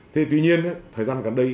thế tuy nhiên thời gian gần đây